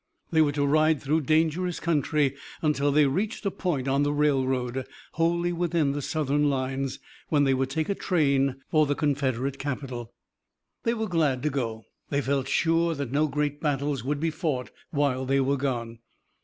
They were to ride through dangerous country, until they reached a point on the railroad, wholly within the Southern lines, when they would take a train for the Confederate capital. They were glad to go. They felt sure that no great battles would be fought while they were gone.